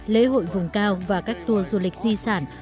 lễ hội vùng cao và các tour du lịch di sản